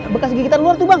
bekas gigitan luar tuh bang